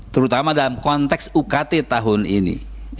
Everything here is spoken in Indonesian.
terutama dalam konteks ukt tahun ini